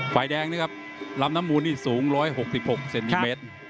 ฝ่ายแดงนะครับลำน้ำมูลนี่สูง๑๖๖เซนติเมตร